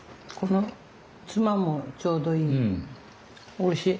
おいしい。